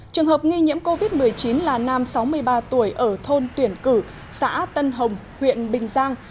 trường hợp nghi nhiễm covid một mươi chín là nam sáu mươi ba tuổi ở thôn tuyển cử xã tân hồng huyện bình giang